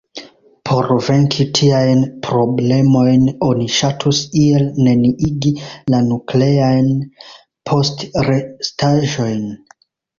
Por venki tiajn problemojn oni ŝatus iel neniigi la nukleajn postrestaĵojn.